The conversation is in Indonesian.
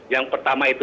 yang pertama itu